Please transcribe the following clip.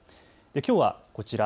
きょうは、こちら。